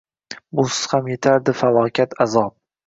Busiz ham yetardi falokat, azob